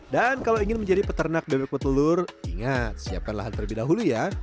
dan kalau ingin menjadi peternak bebek petelur ingat siapkan lahan terlebih dahulu ya